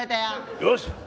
よし！